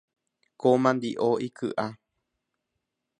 Ko mandi’o iky’a.